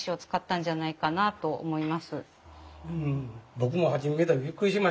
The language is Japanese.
僕も初め見た時びっくりしましたよ。